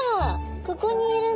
ここにいるの？